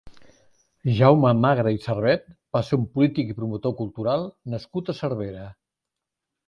Jaume Magre i Servet va ser un polític i promotor cultural nascut a Cervera.